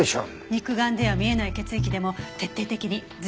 肉眼では見えない血液でも徹底的に全部採取します。